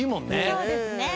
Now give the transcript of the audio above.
そうですね。